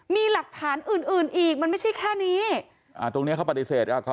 มีหลักฐานอื่นอื่นอีกมันไม่ใช่แค่นี้อ่าตรงเนี้ยเขาปฏิเสธอ่าเขา